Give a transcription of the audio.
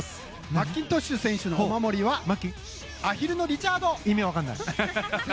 マッキントッシュ選手のお守りはアヒルのリチャード！